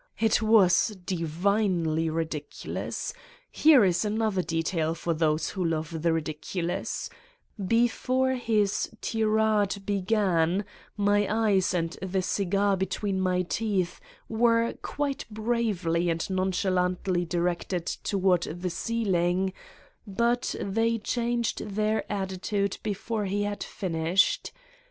It was divinely ridiculous ! Here is an other detail for those who love the ridiculous: before his tirade began my eyes and the cigar be tween my teeth were quite bravely and noncha lantly directed toward the ceiling, but they changed their attitude before he had finished.